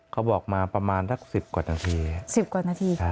เขาบอกมาประมาณสักสิบกว่านาที